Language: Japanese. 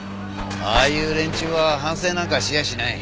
ああいう連中は反省なんかしやしない。